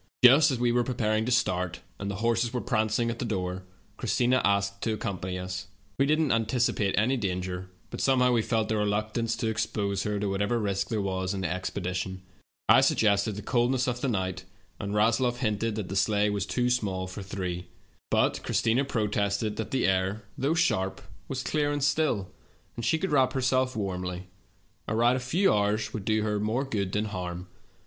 "Just as we were preparing to start, and the horses were prancing at the door, Christina asked to accompany us. We did not antici pate any danger, but somehow we felt a reluc tance to expose her to whatever risk there was in the expedition. I suggested the coldness of the night, and Rasloff hinted that the sleigh was too small for three. But Christina protested that the air, though sharp, was clear and still, and she could wrap herself warmly ; a ride of a few hours would do her more good than harm.